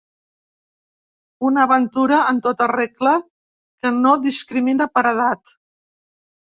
Una aventura en tota regla que no discrimina per edat.